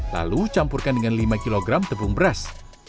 lalu campurkan dengan lima kg tepung beras